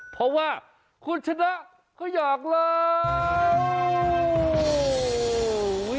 เพราะว่าคุณชนะก็อยากแล้ว